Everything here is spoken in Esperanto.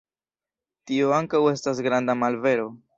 Tio ankaŭ estas granda malvero.